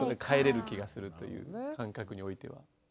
かえれる気がするという感覚においては。